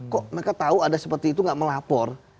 kok mereka tahu ada seperti itu nggak melapor